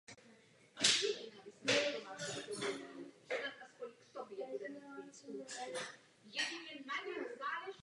Existence skupiny neměla dlouhého trvání a následující rok se rozpadla.